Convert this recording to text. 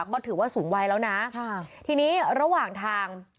ก็ถือว่าสูงวัยแล้วนะทีนี้ระหว่างทาง